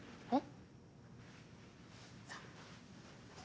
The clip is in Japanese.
えっ？